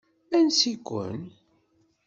Ansi-ken.